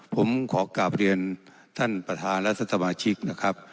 ผมขอกลับเรียนท่านประธานรัฐธรรมชิกนะครับ